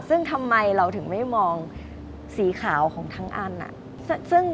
ซึ่งทำไมเราถึงไม่มองสีขาวของทั้งอัน